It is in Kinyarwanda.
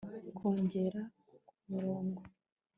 ko ngera kumurongo